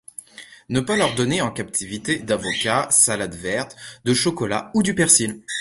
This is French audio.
Ne pas leur donner en captivité d'avocats, salade verte, de chocolat ou du persil.